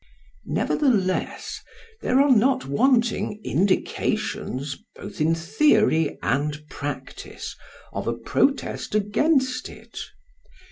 Nevertheless, there are not wanting indications, both in theory and practice, of a protest against it.